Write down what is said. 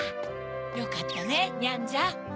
よかったねニャンジャ。